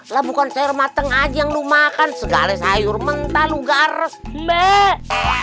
lah bukan sayur mateng aja yang lu makan segale sayur mentah lugar me back